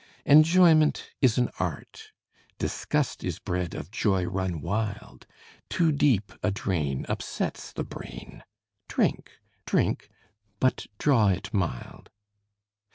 Enjoyment is an art disgust Is bred of joy run wild; Too deep a drain upsets the brain: Drink, drink but draw it mild!